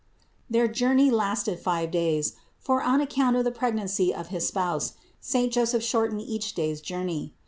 Their journey lasted five days, for on account of the pregnancy of his Spouse, saint Joseph shortened each day's journey.